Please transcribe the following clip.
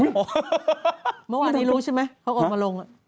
เมื่อวานนี้รู้ใช่ไหมเขาออกมาลง